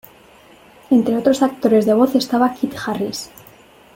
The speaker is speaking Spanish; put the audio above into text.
Entre otros actores de voz estaba Kit Harris.